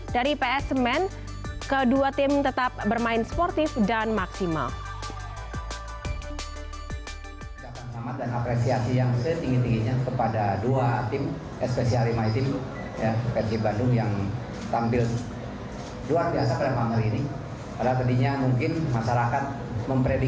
dari ps semen kedua tim tetap bermain sportif dan maksimal